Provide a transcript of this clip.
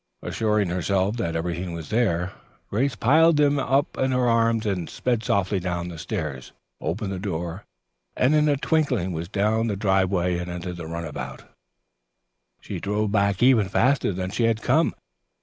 Assuring herself that everything was there, Grace piled them up in her arms and sped softly down the stairs, opened the door, and in a twinkling was down the drive and into the runabout. She drove back even faster than she had come.